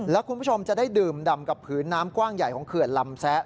แล้วคุณผู้ชมจะได้ดื่มดำกับผืนน้ำกว้างใหญ่ของเขื่อนลำแซะ